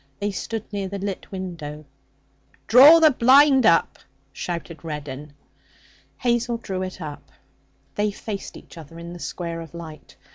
They stood near the lit window. 'Draw the blind up!' shouted Reddin. Hazel drew it up. They faced each other in the square of light.